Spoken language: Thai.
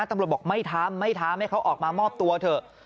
ตำรวจบอกไม่ทำไม่ทำให้เขาออกมามอบตัวเถอะ